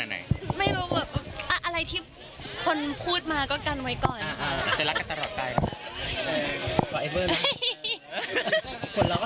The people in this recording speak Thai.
อ๋ออันนั้นไม่รู้เหมือนกันค่ะบางทีก็ออกมาจากบ้านแล้วก็